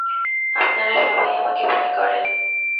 আপনারা সবাই আমাকে ভয় করেন।